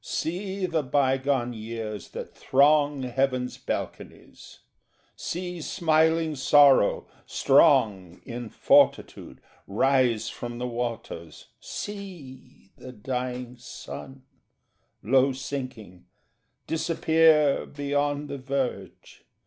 See the bygone years that throng Heaven's balconies; see smiling Sorrow, strong In fortitude, rise from the waters; see The dying sun, low sinking, disappear Beyond the verge.